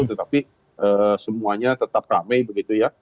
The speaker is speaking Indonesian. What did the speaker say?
tetapi semuanya tetap rame begitu ya